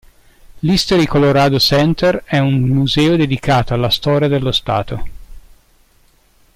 L'History Colorado Center è un museo dedicato alla storia dello Stato.